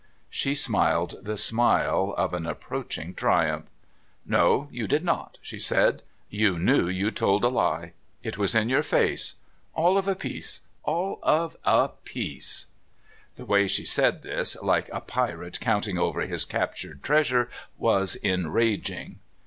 She smiled the smile of approaching triumph. "No, you did not," she said. "You knew you'd told a lie. It was in your face. All of a piece all of a piece." The way she said this, like a pirate counting over his captured treasure, was enraging.